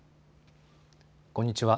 こんにちは。